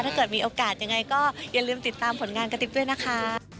ถ้าเกิดมีโอกาสยังไงก็อย่าลืมติดตามผลงานกระติ๊บด้วยนะคะ